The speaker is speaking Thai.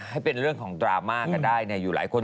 ให้เป็นเรื่องของดราม่าก็ได้อยู่หลายคน